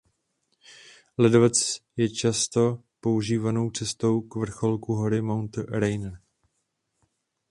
Ledovec je často používanou cestou k vrcholku hory Mount Rainier.